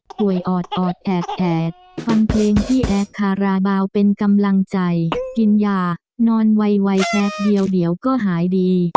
ป่วยออดออดแอดฟังเพลงที่แอบคาราบาลเป็นกำลังใจกินยานอนไวแพบเดียวเดี๋ยวก็หายดี